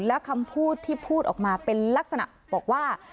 และคำพูดที่พูดออกมาเป็นลักษณะบอกว่า